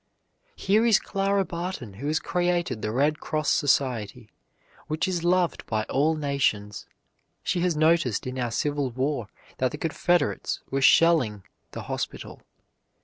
Here is Clara Barton who has created the Red Cross Society, which is loved by all nations. She noticed in our Civil War that the Confederates were shelling the hospital.